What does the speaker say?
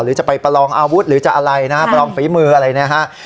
หรือจะไปประลองอาวุธหรือจะอะไรนะฮะประลองฝีมืออะไรนะฮะ